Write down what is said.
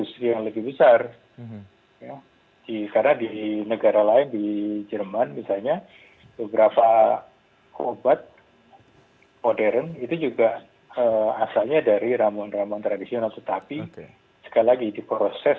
terima kasih tour